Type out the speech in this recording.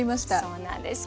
そうなんです。